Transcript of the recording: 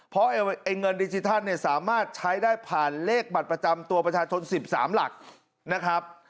เพราะเงินดิจิทัลเนี่ยสามารถใช้ได้ผ่านเลขบัตรประจำตัวประชาชน๑๓หลักนะครับ